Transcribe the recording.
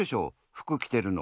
服きてるの。